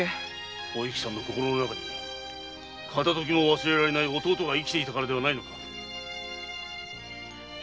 お幸さんの心の中に片ときも忘れられない弟が生きていたからではないのか。